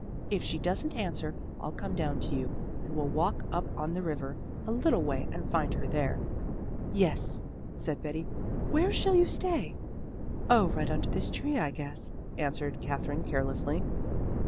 If she doesn't answer, I'll come down to you and we'll walk on up the river a little way and find her there." "Yes," said Betty. "Where shall you stay?" "Oh, right under this tree, I guess," answered Katherine carelessly.